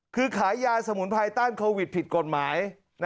คือขายยาสมุนไพรต้านโควิดผิดกฎหมาย